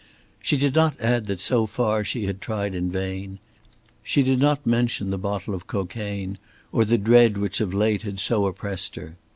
She did not add that so far she had tried in vain; she did not mention the bottle of cocaine, or the dread which of late had so oppressed her.